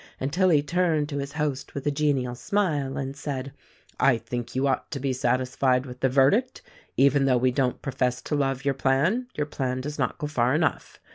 until he turned to his host with a genial smile and said, "I think you ought to be satisfied with the verdict — even though we don't profess to love your plan. Your plan does not go far enough.